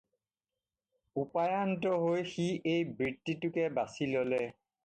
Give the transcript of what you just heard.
উপায়ন্তৰ হৈ সি এই বৃত্তিটোকে বাচি ল'লে।